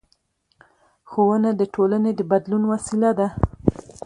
ښوونه د ټولنې د بدلون وسیله ده